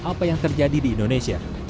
apa yang terjadi di indonesia